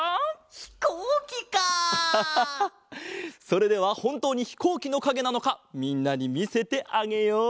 それではほんとうにひこうきのかげなのかみんなにみせてあげよう。